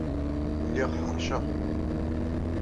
Lliɣ ḥeṛceɣ.